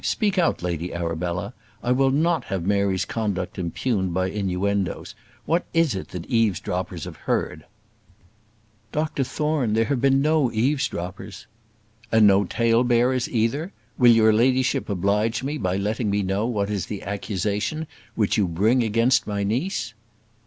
Speak out, Lady Arabella. I will not have Mary's conduct impugned by innuendoes. What is it that eavesdroppers have heard?" "Dr Thorne, there have been no eavesdroppers." "And no talebearers either? Will your ladyship oblige me by letting me know what is the accusation which you bring against my niece?"